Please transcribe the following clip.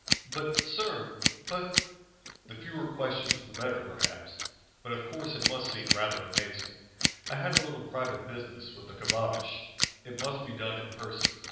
"But, sir; but !" "The fewer questions the better, perhaps. But of course it must seem rather amazing. I had a little private business with the Kabbabish. It must be done in person.